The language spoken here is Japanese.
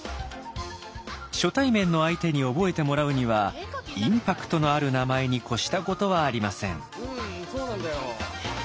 初対面の相手に覚えてもらうにはインパクトのある名前にこしたことはありません。